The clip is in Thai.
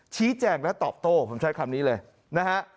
ชี้แจงและตอบโต้ผมใช้คำนี้เลยนะฮะ